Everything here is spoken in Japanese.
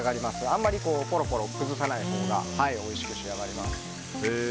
あまりぽろぽろ崩さないほうがおいしく仕上がります。